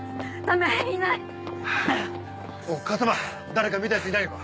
誰か見たヤツいないのか？